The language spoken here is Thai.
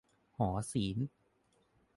หอศิลป์